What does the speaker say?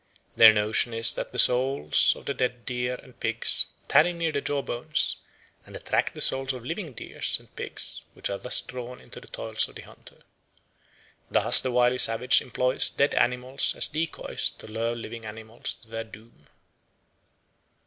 Their notion is that the souls of the dead deer and pigs tarry near their jawbones and attract the souls of living deer and pigs, which are thus drawn into the toils of the hunter. Thus the wily savage employs dead animals as decoys to lure living animals to their doom.